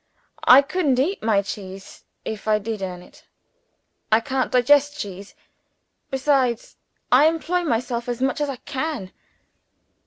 "I couldn't eat my cheese, if I did earn it. I can't digest cheese. Besides, I employ myself as much as I can."